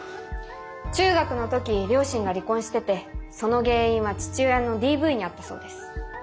中学の時両親が離婚しててその原因は父親のＤＶにあったそうです。